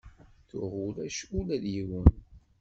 Tuɣ ulac ula d yiwen.